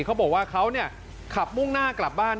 เขาบอกว่าเขาขับมุ่งหน้ากลับบ้าน